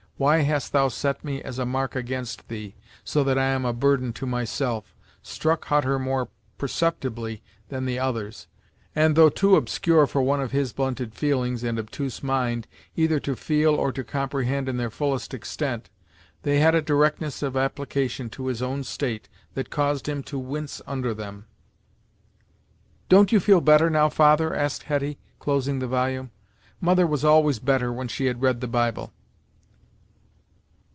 Why hast thou set me as a mark against thee, so that I am a burden to myself," struck Hutter more perceptibly than the others, and, though too obscure for one of his blunted feelings and obtuse mind either to feel or to comprehend in their fullest extent, they had a directness of application to his own state that caused him to wince under them. "Don't you feel better now, father?" asked Hetty, closing the volume. "Mother was always better when she had read the Bible."